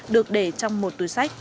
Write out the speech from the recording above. được để trong một túi sách